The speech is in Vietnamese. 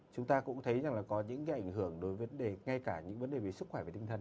chúng ta cũng thấy rằng là có những cái ảnh hưởng đối với vấn đề ngay cả những vấn đề về sức khỏe và tinh thần